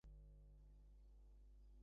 না কি তুমি শক্তিশালী বিধায় গোজো সাতোরু?